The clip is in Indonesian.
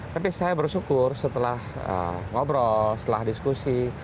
tapi saya bersyukur setelah ngobrol setelah diskusi